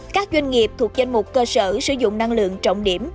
các doanh nghiệp thuộc danh mục cơ sở sử dụng năng lượng trọng điểm